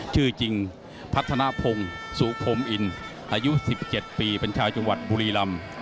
ชื่อจริงพัฒนภงสุพรมอินอายุ๑๗ปีเป็นชาวจังหวัดบุรีรำ